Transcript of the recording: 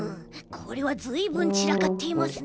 これはずいぶんちらかっていますね。